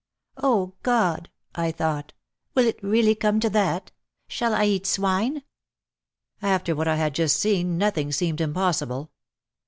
"Oh, God," I thought, "will it really come to that? shall I eat swine?" After what I had just seen nothing seemed impossible.